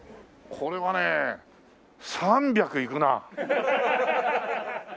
これはねえ３００いくな。